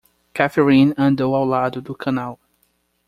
Catherine andou ao lado do canal.